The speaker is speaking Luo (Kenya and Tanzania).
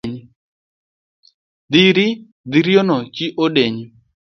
Dhiri dhirinyono chi odeny